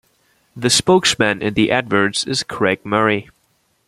The spokesman in the adverts is Craig Murray.